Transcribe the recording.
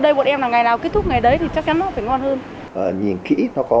đây bọn em làm ngày nào kết thúc ngày đấy thì chắc chắn nó phải ngon hơn